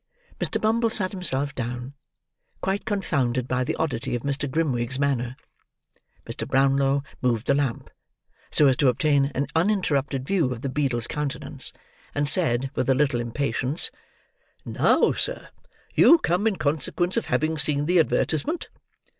Mr. Bumble sat himself down; quite confounded by the oddity of Mr. Grimwig's manner. Mr. Brownlow moved the lamp, so as to obtain an uninterrupted view of the beadle's countenance; and said, with a little impatience, "Now, sir, you come in consequence of having seen the advertisement?"